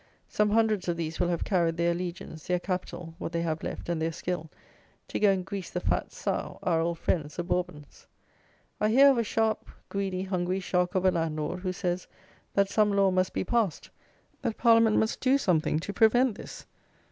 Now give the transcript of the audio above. Some hundreds of these will have carried their allegiance, their capital (what they have left), and their skill, to go and grease the fat sow, our old friends the Bourbons. I hear of a sharp, greedy, hungry shark of a landlord, who says that "some law must be passed;" that "Parliament must do something to prevent this!"